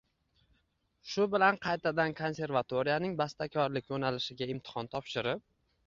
Shu bilan qaytadan konsevatoriyaning bastakorlik yo’nalishiga imtahon topshirib